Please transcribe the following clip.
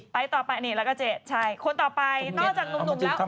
คนต่อไปนอกจากหนุ่มแล้ว